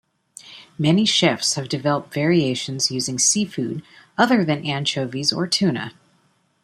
Many chefs have developed variations using seafood other than anchovies or tuna.